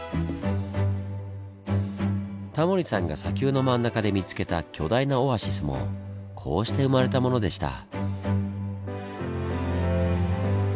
タモリさんが砂丘の真ん中で見つけた巨大なオアシスもこうして生まれたものでした。